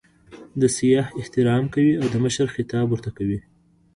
د سیاح احترام کوي او د مشر خطاب ورته کوي.